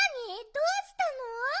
どうしたの？